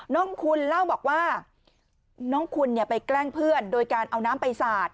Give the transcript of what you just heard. น้องคุณเล่าบอกว่าน้องคุณไปแกล้งเพื่อนโดยการเอาน้ำไปสาด